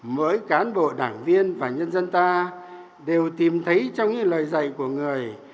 tất cả các bộ đảng viên và nhân dân ta đều tìm thấy trong những lời dạy của người